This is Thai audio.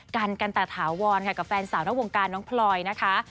กันกันตะถาวรค่ะกับแฟนสาวนอกวงการน้องพลอยนะคะ